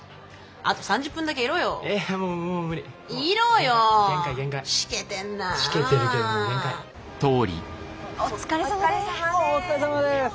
あお疲れさまです。